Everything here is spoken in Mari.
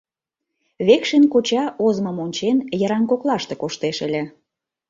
Векшин коча, озымым ончен, йыраҥ коклаште коштеш ыле.